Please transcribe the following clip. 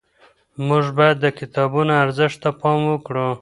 موږ باید د کتابونو ارزښت ته پام وکړو.